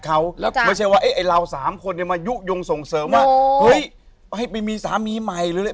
เขาไม่ใช่ว่าไอ้เรา๓คนมายุ่งส่งเสริมให้มีสามีใหม่เลย